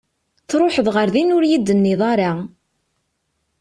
Tṛuḥeḍ ɣer din ur iyi-d-tenniḍ ara!